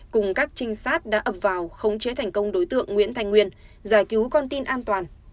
cùng các trinh sát đã ập vào khống chế thành công đối tượng nguyễn thành nguyên giải cứu con tin an toàn